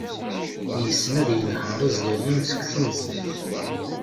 Yessen ad yenher azlalam seg temẓit.